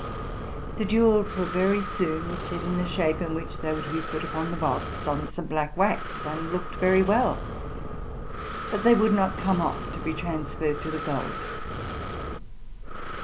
The jewels were very soon set, in the shape in which they were to be put upon the box, on some black wax, and looked very well; but they would not come off to be transferred to the gold.